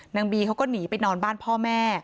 นางบีเขาก็หนีไปนอนบ้านพ่อแม่